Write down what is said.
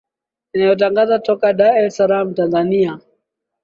inayotangaza toka dar es salaam tanzania